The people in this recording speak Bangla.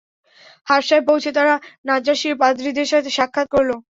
হাবশায় পৌঁছে তারা নাজ্জাশীর পাদ্রীদের সাথে সাক্ষাৎ করল।